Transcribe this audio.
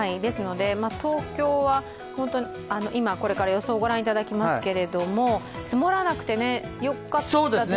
東京は、今、これから予想をご覧いただきますけれども、積もらなくてよかったですよね。